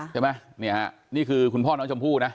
ใช่ไหมนี่ฮะนี่คือคุณพ่อน้องชมพู่นะ